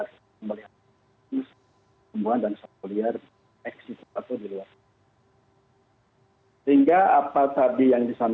misalnya ada perlakuan pemerintahan yang tidak sesuai atau di lalui alam